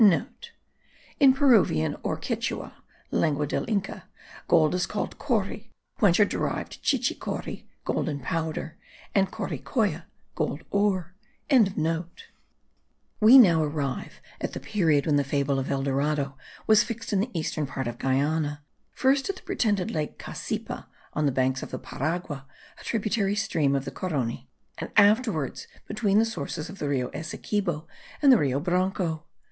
(* In Peruvian or Quichua (lengua del Inca) gold is called cori, whence are derived chichicori, gold in powder, and corikoya, gold ore.) We arrive now at the period when the fable of El Dorado was fixed in the eastern part of Guiana, first at the pretended lake Cassipa (on the banks of the Paragua, a tributary stream of the Carony), and afterwards between the sources of the Rio Essequibo and the Rio Branco.